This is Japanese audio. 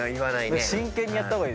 真剣にやった方がいい？